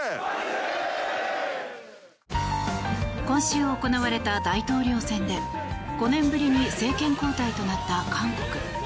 今週行われた大統領選で５年ぶりに政権交代となった韓国。